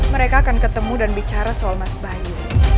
mereka akan ketemu dan bicara soal mas bayu